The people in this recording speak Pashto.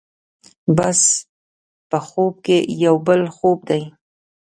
بس په خوب کې یو بل خوب دی.